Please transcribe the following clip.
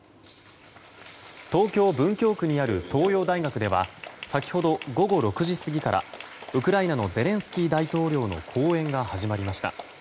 東京・文京区にある東洋大学では先ほど午後６時過ぎからウクライナのゼレンスキー大統領の講演が始まりました。